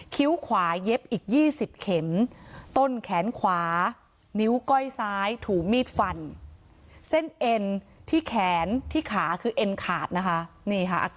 คิ้วขวาเย็บอีกยี่สิบเข็มต้นแขนขวานิ้วก้อยซ้ายถูมีดฟัน